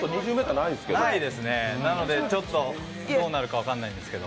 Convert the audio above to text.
ないですね、なので、ちょっとどうなるか分からないんですけど。